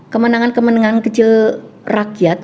kemenangan kemenangan kecil rakyat